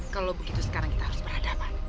kalau begitu sekarang kita harus berhadapan